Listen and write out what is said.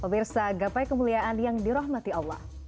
pemirsa gapai kemuliaan yang dirahmati allah